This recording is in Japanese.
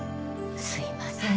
すいません。